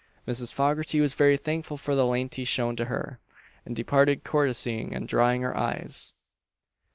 Mrs. Foggarty was very thankful for the lenity shown to her, and departed courtesying and drying her eyes.